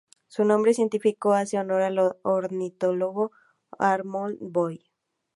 Su nombre científico hace honor al ornitólogo Arnold Boyd.